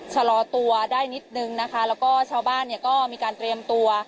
ชะลอตัวได้นิดนึงนะคะแล้วก็ชาวบ้านเนี่ยก็มีการเตรียมตัว